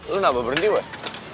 lu gak berhenti weh